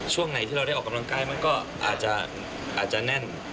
ช่วงไหนที่เราได้ออกกำลังกายมันก็อาจจะแน่น